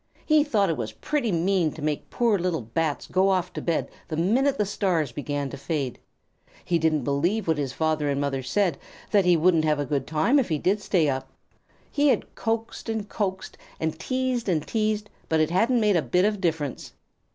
He thought it was pretty mean to make poor little Bats go off to bed the minute the stars began to fade. He didn't believe what his father and mother said, that he wouldn't have a good time if he did stay up. He had coaxed and coaxed and teased and teased, but it hadn't made a bit of difference.